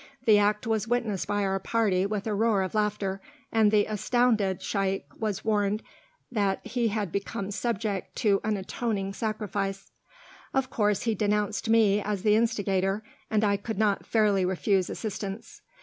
The act was witnessed by our party with a roar of laughter, and the astounded Shaykh was warned that he had become subject to an atoning sacrifice. Of course he denounced me as the instigator, and I could not fairly refuse assistance.